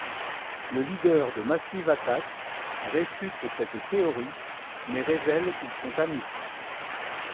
Le leader de Massive Attack réfute cette théorie mais révèle qu'ils sont amis.